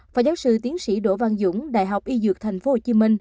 phó giáo sư tiến sĩ đỗ văn dũng đại học y dược tp hcm